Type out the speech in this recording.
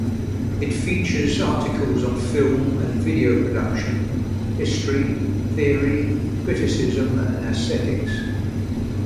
It features articles on film and video production, history, theory, criticism, and aesthetics.